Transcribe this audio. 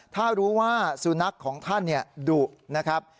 ถ้ารู้ว่าสุนัขของท่านดุนะครับ